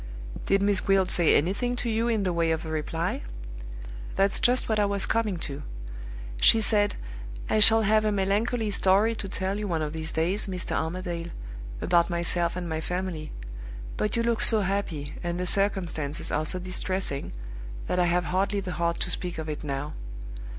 "Did Miss Gwilt say anything to you in the way of a reply?" "That's just what I was coming to. She said, 'I shall have a melancholy story to tell you one of these days, Mr. Armadale, about myself and my family; but you look so happy, and the circumstances are so distressing, that I have hardly the heart to speak of it now.